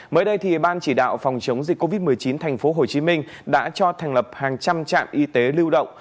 mới đây ban chỉ đạo phòng chống dịch covid một mươi chín tp hcm đã cho thành lập hàng trăm trạm y tế lưu động